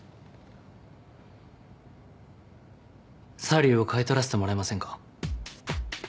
サリューを買い取らせてもらえませんか？